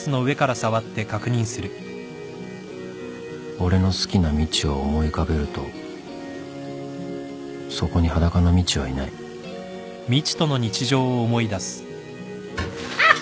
俺の好きなみちを思い浮かべるとそこに裸のみちはいないあっ！